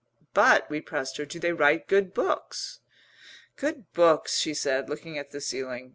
"But," we pressed her, "do they write good books?" "Good books?" she said, looking at the ceiling.